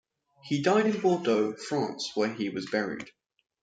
He died in Bordeaux, France, where he was buried.